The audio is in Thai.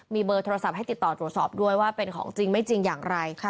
มีเบอร์โทรศัพท์ให้ติดต่อตรวจสอบด้วยว่าเป็นของจริงไม่จริงอย่างไร